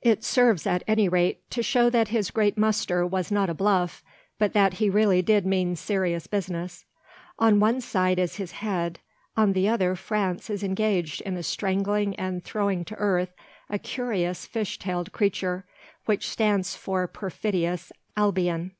It serves, at any rate, to show that his great muster was not a bluff, but that he really did mean serious business. On one side is his head. On the other France is engaged in strangling and throwing to earth a curious fish tailed creature, which stands for perfidious Albion.